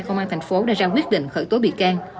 công an tp hcm đã ra quyết định khởi tố bị can